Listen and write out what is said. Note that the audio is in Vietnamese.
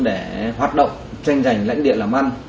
để hoạt động tranh giành lãnh địa làm ăn